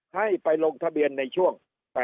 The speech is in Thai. ให้ไปลงทะเบียนในช่วง๘๐